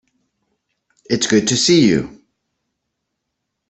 It's good to see you.